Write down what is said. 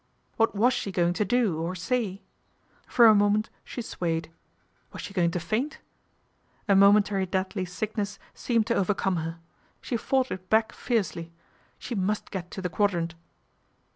What was she going to do or say ? For a moment she swayed. Was she going to faint ? A momentary deadly sickness seemed to overcome her. She fought it back fiercely. She must get to the Quadrant.